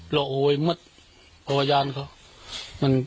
โรงโรยันครับ